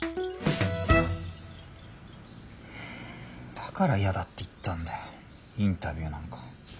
だから嫌だって言ったんだよインタビューなんか。